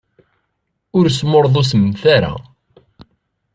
Ur smurḍusemt ara.